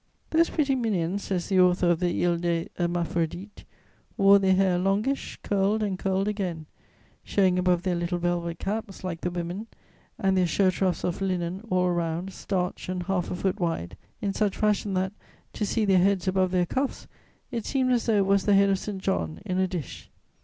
"Those pretty minions," says the author of the Isle des Hermaphrodites, "wore their hair longish, curled and curled again, showing above their little velvet caps, like the women, and their shirt ruffs of linen all around, starched and half a foot wide, in such fashion that, to see their heads above their ruffs, it seemed as though it was the head of Saint John in a dish."